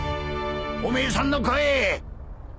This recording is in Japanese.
おめえさんの声！